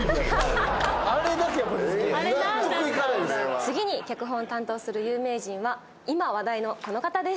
次に脚本を担当する有名人は今話題のあの方です。